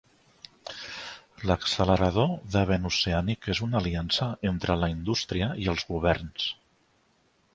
L'accelerador de vent oceànic és una aliança entre la indústria i els governs.